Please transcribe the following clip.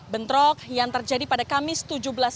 bentrok yang terjadi pada kamis tujuh belas januari lalu